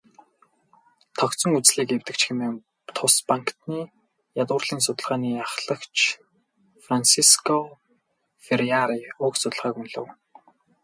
"Тогтсон үзлийг эвдэгч" хэмээн тус банкны ядуурлын судалгааны ахлагч Франсиско Ферреира уг судалгааг үнэлэв.